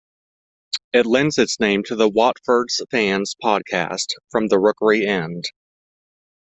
It lends its name to the Watford fans' podcast, "From The Rookery End".